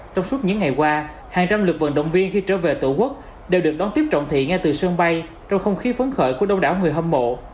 trong suốt những ngày qua hàng trăm lượt vận động viên khi trở về tổ quốc đều được đón tiếp trọng thị ngay từ sân bay trong không khí phấn khởi của đông đảo người hâm mộ